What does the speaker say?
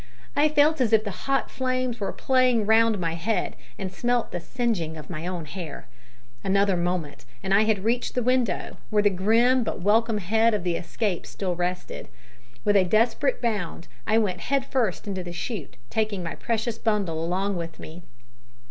I felt as if the hot flames were playing round my head, and smelt the singeing of my own hair. Another moment and I had reached the window, where the grim but welcome head of the escape still rested. With a desperate bound I went head first into the shoot, taking my precious bundle along with me.